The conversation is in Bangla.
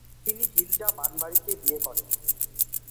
তিনি হিলডা বানবারিকে বিয়ে করেন।